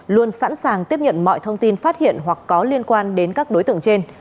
luôn sẵn sàng tiếp nhận mọi thông tin phát hiện hoặc có liên quan đến các đối tượng trên